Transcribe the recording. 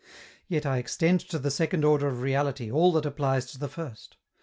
Yet I extend to the second order of reality all that applies to the first.